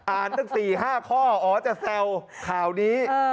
ตั้ง๔๕ข้ออ๋อจะแซวข่าวนี้